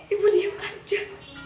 ibu diam saja